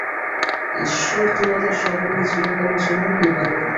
ঈশ্বর তোমাদের সকলকে চিরকালের জন্য কৃপা করুন।